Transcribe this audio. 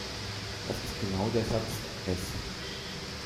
Das ist genau der Satz "S".